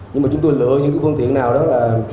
nhưng mà chúng tôi lựa những cái phương tiện nào đó là